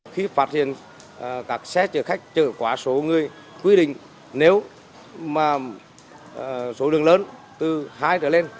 khi phát hiện các xe chở khách trở quá số người quy định nếu mà số lượng lớn từ hai trở lên